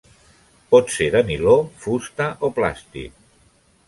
Pot ser de niló, fusta o plàstic.